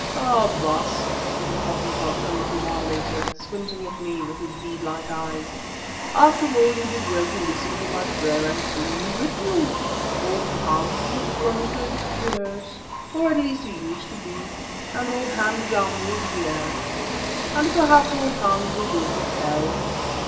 "Ah! Baas," said the Hottentot a little while later, squinting at me with his bead like eyes, "after all you did well to listen to my prayer and bring me with you. Old Hans is a drunkard, yes, or at least he used to be, and old Hans gambles, yes, and perhaps old Hans will go to hell.